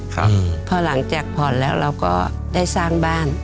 ครับพอหลังจากผ่อนแล้วเราก็ได้สร้างบ้าน